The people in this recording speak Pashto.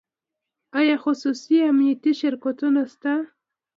آیا خصوصي امنیتي شرکتونه شته؟